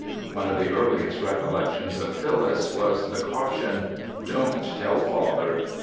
One of the earliest recollections of Phyllis was the caution, "Don't tell father!"